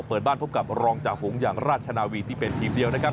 เปิดบ้านพบกับรองจ่าฝูงอย่างราชนาวีที่เป็นทีมเดียวนะครับ